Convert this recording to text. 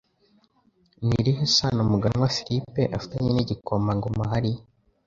Ni irihe sano Muganwa Phillip afitanye nigikomangoma Harry?